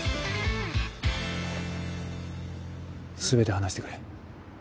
全て話してくれ。